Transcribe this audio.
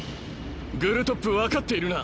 グルトップ分かっているな？